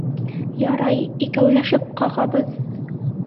Ярай, икәүләшеп ҡағабыҙ!